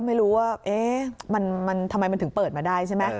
ไม่รู้ว่ามันทำไมมันถึงเปิดมาได้ใช่ไหม